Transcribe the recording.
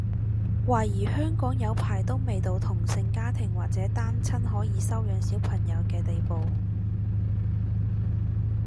懷疑香港有排都未到同性家庭或者單親可以收養小朋友嘅地步